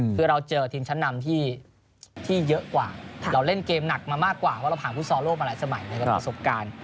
คือเราเจอทีมชั้นนำที่เยอะกว่าเราเล่นเกมหนักมามากกว่าว่าเราผ่านฟุตซอลโลกมาหลายสมัยนะครับประสบการณ์